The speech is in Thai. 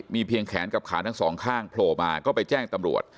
มีเพียงแขนกับขาทั้งสองข้างโผล่มาก็ไปแจ้งตำรวจ